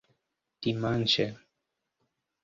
dimanĉe